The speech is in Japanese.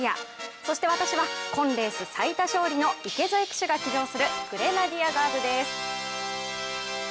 そして私は、今レース最多勝利の池添騎手が騎乗するグレナディアガーズです。